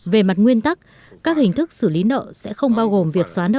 về mặt nguyên tắc các hình thức xử lý nợ sẽ không bao gồm việc xóa nợ